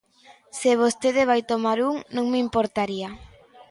Se vostede vai tomar un, non me importaría.